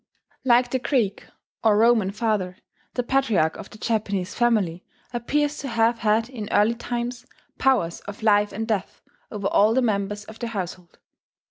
Like the Greek or Roman father, the patriarch of the Japanese family appears to have had in early times powers of life and death over all the members of the household.